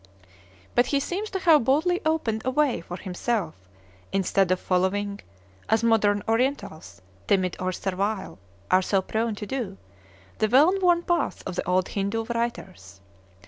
But he seems to have boldly opened a way for himself, instead of following (as modern Orientals, timid or servile, are so prone to do) the well worn path of the old Hindoo writers.